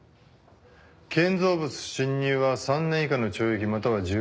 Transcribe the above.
建造物侵入は３年以下の懲役または１０万円以下の罰金。